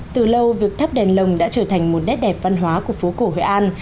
từ lâu việc thắp đèn lồng đã trở thành một nét đẹp văn hóa của phố cổ hội an